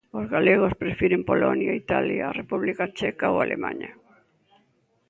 Os galegos prefiren Polonia, Italia, a República Checa ou Alemaña.